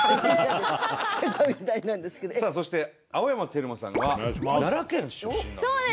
さあそして青山テルマさんは奈良県出身なんですね。